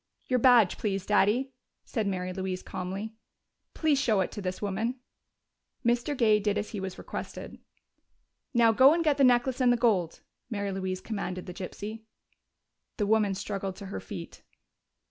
"Your badge, please, Daddy," said Mary Louise calmly. "Please show it to this woman." Mr. Gay did as he was requested. "Now go and get the necklace and the gold," Mary Louise commanded the gypsy. The woman struggled to her feet.